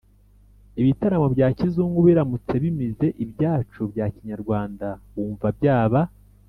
ibitaramo bya kizungu biramutse bimize ibyacu bya kinyarwanda wumva byaba